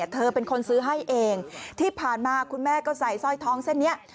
เธอเป็นคนซื้อให้เองที่ผ่านมาคุณแม่ก็ใส่สร้อยทองเส้นนี้